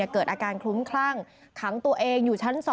เกิดอาการคลุ้มคลั่งขังตัวเองอยู่ชั้น๒